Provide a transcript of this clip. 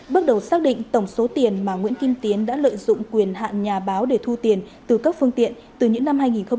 bước đầu xác định tổng số tiền mà nguyễn kim tiến đã lợi dụng quyền hạn nhà báo để thu tiền từ các phương tiện từ những năm hai nghìn hai mươi đến nay là hơn năm tỷ đồng